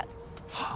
はあ？